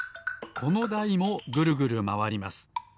このだいもぐるぐるまわります。